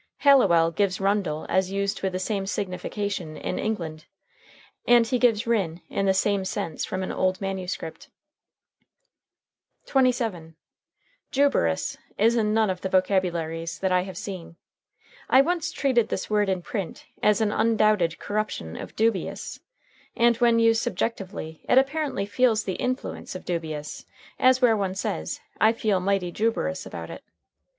Halliwell gives rundel as used with the same signification in England, and he gives ryn in the same sense from an old manuscript.] [Footnote 27: Juberous is in none of the vocabularies that I have seen. I once treated this word in print as an undoubted corruption of dubious, and when used subjectively it apparently feels the influence of dubious, as where one says: "I feel mighty juberous about it."